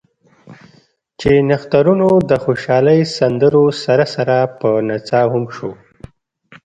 چې نښترونو د خوشالۍ سندرو سره سره پۀ نڅا هم شو ـ